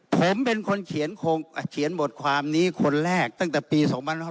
ผมเป็นคนเขียนบทความนี้คนแรกตั้งแต่ปี๒๕๖๐